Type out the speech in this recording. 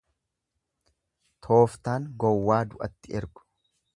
Tooftaan gowwaa du'atti ergu.